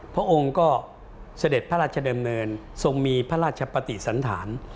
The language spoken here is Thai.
พระองค์ก็เสด็จพระราชดำเนินทรงมีพระราชปฏิสันฐาน